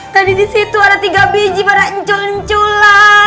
tadi di situ ada tiga biji pada ncul nculan